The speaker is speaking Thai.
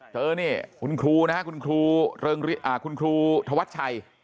เจอนี่คุณครูนะครับคุณครูธวัชชัย